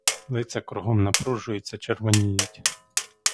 Лиця кругом напружуються, червоніють.